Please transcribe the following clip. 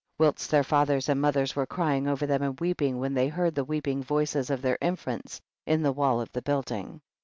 Whilst their fathers and mo thers were crying over them and weeping when they heard the weep ing voices of their infants in the wall of the building.